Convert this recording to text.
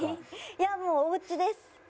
いやもうおうちです。